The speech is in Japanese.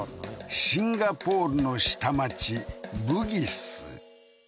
シンガポールの下町ブギス